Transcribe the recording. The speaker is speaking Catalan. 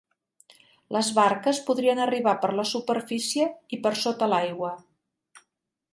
Les barques podrien arribar per la superfície i per sota l'aigua.